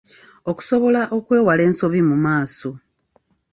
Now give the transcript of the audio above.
Okusobola okwewala ensobi mu maaso.